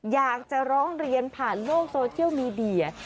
อยากจะร้องเรียนผ่านโลกโซเชียลมีเดีย